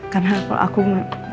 karena aku aku masih belum bisa